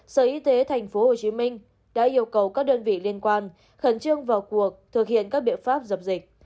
sở y tế tp hcm đã yêu cầu các đơn vị liên quan khẩn trương vào cuộc thực hiện các biện pháp dập dịch